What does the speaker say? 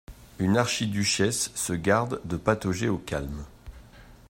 Une archiduchesse se garde de patauger au calme.